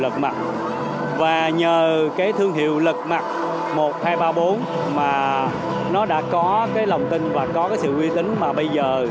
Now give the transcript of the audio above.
lật mặt và nhờ cái thương hiệu lật mặt một nghìn hai trăm ba mươi bốn mà nó đã có cái lòng tin và có cái sự uy tín mà bây giờ